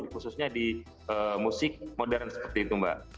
khususnya di musik modern seperti itu mbak